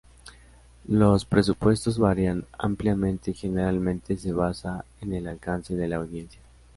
Los presupuestos varían ampliamente y generalmente se basan en el alcance de la audiencia.